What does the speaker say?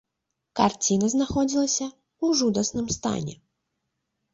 Карціна знаходзілася ў жудасным стане.